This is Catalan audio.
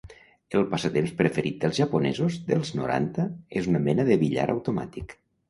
El passatemps preferit dels japonesos dels noranta és una mena de billar automàtic.